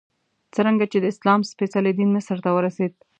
څرنګه چې د اسلام سپېڅلی دین مصر ته ورسېد.